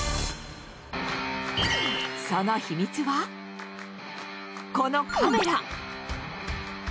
その秘密はこのカメラ！